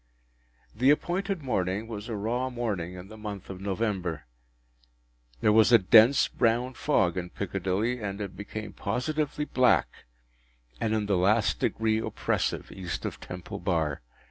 The appointed morning was a raw morning in the month of November. There was a dense brown fog in Piccadilly, and it became positively black and in the last degree oppressive East of Temple Bar.